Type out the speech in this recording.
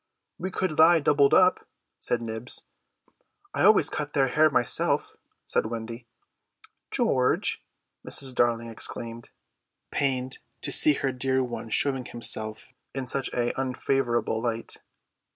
"We could lie doubled up," said Nibs. "I always cut their hair myself," said Wendy. "George!" Mrs. Darling exclaimed, pained to see her dear one showing himself in such an unfavourable light.